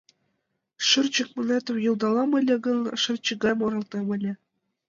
Шырчык мунетым йӱлдалам ыле гын, шырчык гае муралтем ыле.